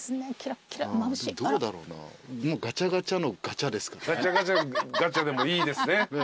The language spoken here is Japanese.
ガチャガチャガチャでもいいですね。